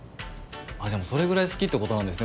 あっでもそれぐらい好きってことなんですね